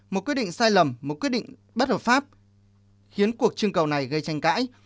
một quyết định sai lầm một quyết định bất hợp pháp khiến cuộc trưng cầu này gây tranh cãi